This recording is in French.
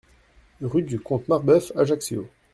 Rue du Comte Marbeuf, Ajaccio